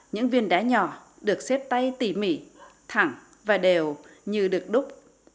những viên đá nhỏ được xếp tay tỉ mỉ thẳng và đều như được đúc